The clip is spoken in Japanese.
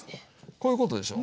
こういうことでしょ。